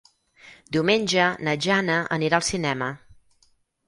Diumenge na Jana anirà al cinema.